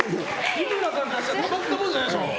日村さんからしたらたまったもんじゃないでしょ。